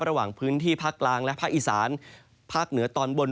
ระหว่างพื้นที่ภาคกลางและภาคอีสานภาคเหนือตอนบน